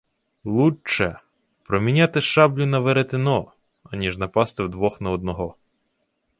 Лучче... проміняти шаблю на веретено, аніж напасти вдвох на одного!